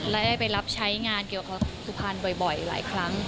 และได้ไปรับใช้งานเกี่ยวกับสุพรรณบ่อยหลายครั้ง